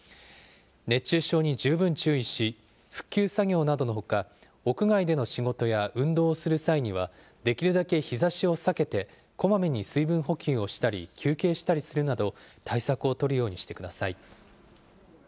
熱中症に十分注意し、復旧作業などのほか、屋外での仕事や運動をする際には、できるだけ日ざしを避けてこまめに水分補給をしたり、休憩したりするなど、対策を取るようにしてください。